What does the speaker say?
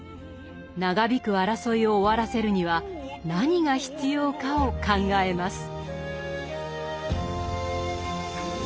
長引く争いを終わらせるには何が必要かを考えます。